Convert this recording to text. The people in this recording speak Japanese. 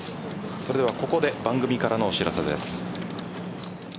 それではここで番組からのお知らせです。